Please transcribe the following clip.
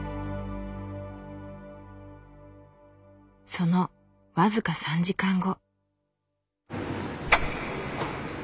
その僅か３時間後。